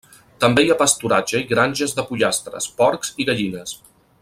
També hi ha pasturatge i granges de pollastres, porcs i gallines.